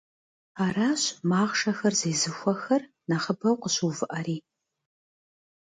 Аращ махъшэхэр зезыхуэхэр нэхъыбэу къыщыувыӏэри.